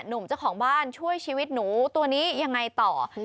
หนุ่มเจ้าของบ้านช่วยชีวิตหนูตัวนี้ยังไงต่อ